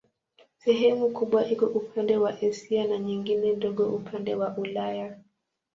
Sehemu kubwa iko upande wa Asia na nyingine ndogo upande wa Ulaya.